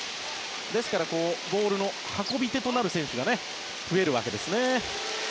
ですからボールの運び手となる選手が増えるわけですね。